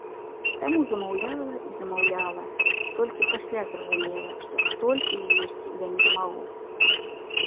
Таму замаўляла і замаўляла, толькі пасля зразумела, што столькі з'есці я не змагу.